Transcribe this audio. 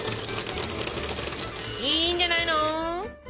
いいんじゃないの？ＯＫ。